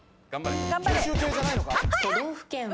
都道府県は？